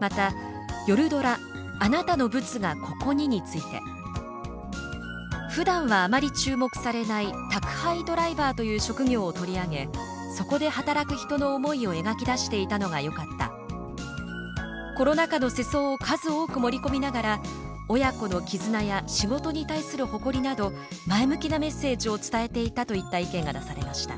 また夜ドラ「あなたのブツが、ここに」について「ふだんはあまり注目されない宅配ドライバーという職業を取り上げそこで働く人の思いを描き出していたのがよかった」「コロナ禍の世相を数多く盛り込みながら親子の絆や仕事に対する誇りなど前向きなメッセージを伝えていた」といった意見が出されました。